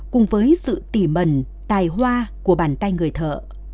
cùng với sự tỉ mần tài hoa của bàn tay người thợ